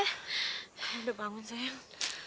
udah bangun sayang